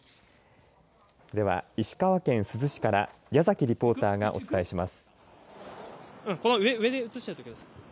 では石川県珠洲市からやざきリポーターがお伝えします。